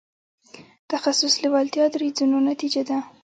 تخصص لېوالتیا دریځونو نتیجه ده.